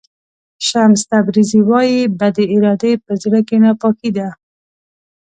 شمس تبریزي وایي بدې ارادې په زړه کې ناپاکي ده.